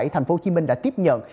tp hcm đã tiếp nhận